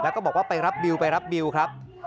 แล้วก็บอกว่าไปรับบิวไปรับบิวครับ